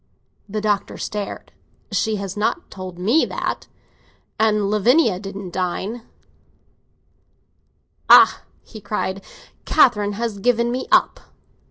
The Doctor stared. "She has not told me that—and Lavinia didn't deign. Ah!" he cried, "Catherine has given me up.